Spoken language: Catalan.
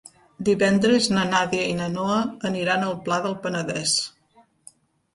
Divendres na Nàdia i na Noa aniran al Pla del Penedès.